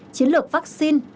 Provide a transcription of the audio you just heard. chiến lược vaccine